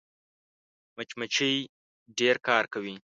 مچمچۍ ډېر کار کوي